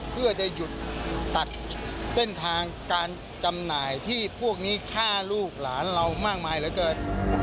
เพื่อจะหยุดตัดเส้นทางการจำหน่ายที่พวกนี้ฆ่าลูกหลานเรามากมายเหลือเกิน